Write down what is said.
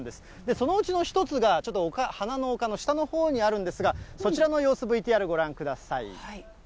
そのうちの一つが、ちょっと花の丘の下のほうにあるんですが、こちらの様子、ＶＴＲご覧ください。